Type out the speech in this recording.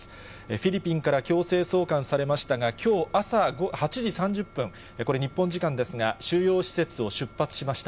フィリピンから強制送還されましたが、きょう朝８時３０分、これ、日本時間ですが、収容施設を出発しました。